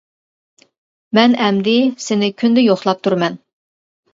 مەن ئەمدى سېنى كۈندە يوقلاپ تۇرىمەن.